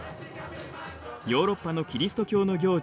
ヨーロッパのキリスト教の行事